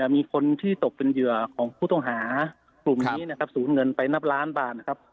มีคนที่ตกเป็นเยือของผู้ต้องหาคลุมนี้สูญเงินไปนับล้านบาท